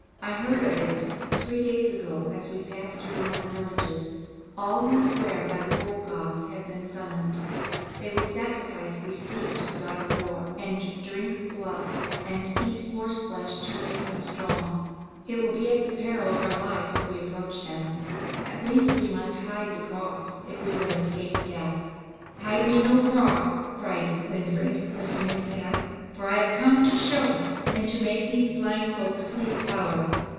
I heard of it three days ago, as we passed through one of the villages. All who swear by the old gods have been summoned. They will sacrifice a steed to the god of war, and drink blood, and eat horse flesh to make them strong. It will be at the peril of our lives if we approach them. At least we must hide the cross, if we would escape death." "Hide me no cross," cried Winfried, lifting his staff, "for I have come to show it, and to make these blind folk see its power.